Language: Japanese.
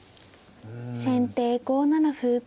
先手５七歩。